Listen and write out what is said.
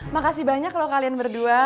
makasih banyak loh kalian berdua